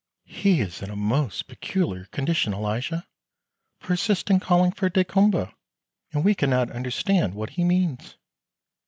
"He is in a most peculiar condition, Elijah persists in calling for daykumboa, and we can not understand what he means."